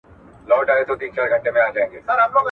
که موږ په مورنۍ ژبه زده کړه وکړو، نو پوهه به ثابته سي.